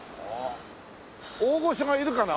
大御所がいるかな？